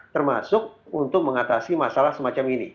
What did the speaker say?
termasuk untuk mengatasi masalah semacam ini